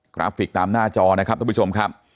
ราฟิกตามหน้าจอนะครับท่านผู้ชมครับ